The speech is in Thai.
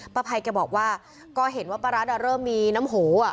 ภัยแกบอกว่าก็เห็นว่าป้ารัสเริ่มมีน้ำโห